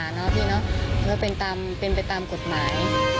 มันต้องเป็นไปตามกฎหมาย